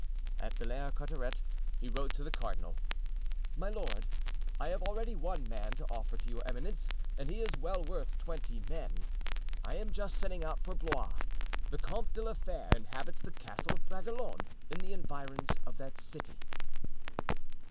At Villars Cotterets he wrote to the cardinal: "My Lord,—I have already one man to offer to your eminence, and he is well worth twenty men. I am just setting out for Blois. The Comte de la Fere inhabits the Castle of Bragelonne, in the environs of that city."